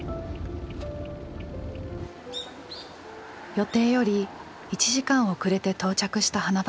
予定より１時間遅れて到着した花畑。